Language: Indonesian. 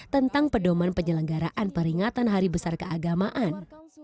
tentang pedoman penyelenggaraan peringatan hari besar keagamaan